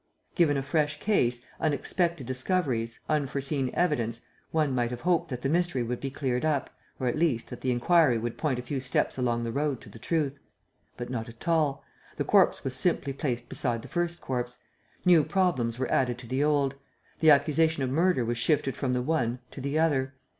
Given a fresh case, unexpected discoveries, unforeseen evidence, one might have hoped that the mystery would be cleared up, or, at least, that the inquiry would point a few steps along the road to the truth. But not at all. The corpse was simply placed beside the first corpse. New problems were added to the old. The accusation of murder was shifted from the one to the other.